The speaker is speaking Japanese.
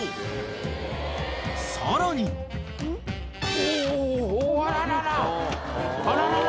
［さらに］おおあららら。